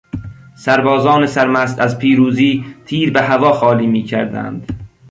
سربازان سرمست از پیروزی، تیر به هوا خالی میکردند.